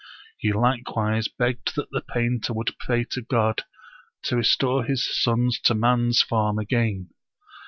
He likewise begged that the painter would pray to God to restore his sons to man's form again.